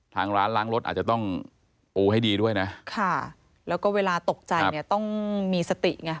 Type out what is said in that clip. ทางร้านล้างรถอาจจะต้องปูให้ดีด้วยนะค่ะแล้วก็เวลาตกใจเนี่ยต้องมีสติไง